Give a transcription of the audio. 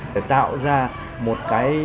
để tạo ra một cái